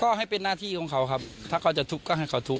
ก็ให้เป็นหน้าที่ของเขาครับถ้าเขาจะทุบก็ให้เขาทุบ